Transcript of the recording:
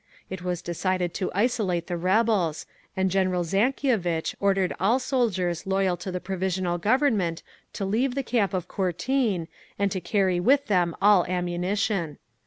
It was decided to isolate the rebels, and General Zankievitch ordered all soldiers loyal to the Provisional Government to leave the camp of Courtine, and to carry with them all ammunition.